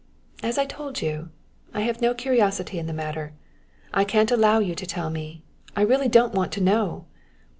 As I told you, I have no curiosity in the matter. I can't allow you to tell me; I really don't want to know!"